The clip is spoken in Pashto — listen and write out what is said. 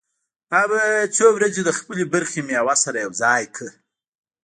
ما به څو ورځې د خپلې برخې مېوه سره يوځاى کړه.